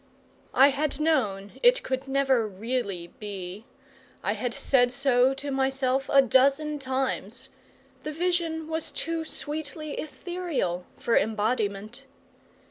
I had known it could never really be; I had said so to myself a dozen times. The vision was too sweetly ethereal for embodiment.